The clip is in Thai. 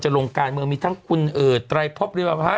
จะลงการเมืองมีทั้งคุณเอิร์ดไตรภอปเรียกว่าไหมครับ